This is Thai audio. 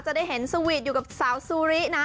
จะได้เห็นสวีทอยู่กับสาวซูรินะ